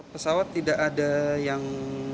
pesawat tidak ada yang